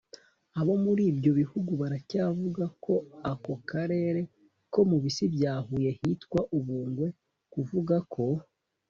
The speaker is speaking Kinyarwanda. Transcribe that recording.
abo muri ibyo bihugu baracyavuga ko ako karere ko mu bisi bya huye hitwa ubungwe. kuvuga ngo